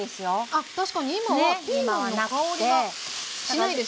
あっ確かに今はピーマンの香りはしないです。